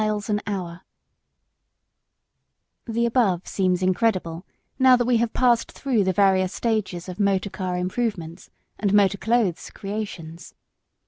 Alexander_] The above seems incredible, now that we have passed through the various stages of motor car improvements and motor clothes creations.